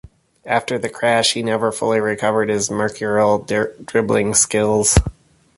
After the crash he never fully recovered his mercurial dribbling skills.